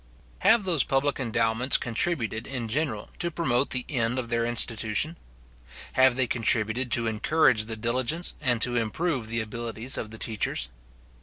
Have those public endowments contributed in general, to promote the end of their institution? Have they contributed to encourage the diligence, and to improve the abilities, of the teachers?